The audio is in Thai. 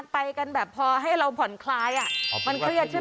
ไปกันแบบพอให้เราผ่อนคล้ายอ่ะ